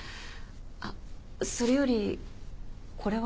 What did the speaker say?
あっそれよりこれは？